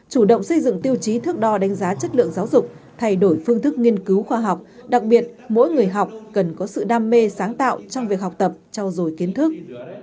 chủ động xây dựng tiêu chí thước đo đánh giá chất lượng giáo dục thay đổi phương thức nghiên cứu khoa học đặc biệt mỗi người học cần có sự đam mê sáng tạo trong việc học tập trao dồi kiến thức